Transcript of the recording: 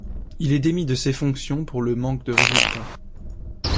Il est démis de ses fonctions le pour manque de résultats.